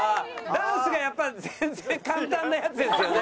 ダンスがやっぱり全然簡単なやつですよね。